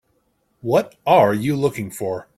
What are you looking for?